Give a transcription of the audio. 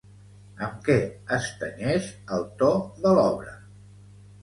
Amb què es tenyeix el to de l'obra?